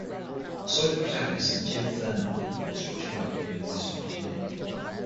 The story's protagonist is Jim Thurmond, a construction worker living in West Virginia.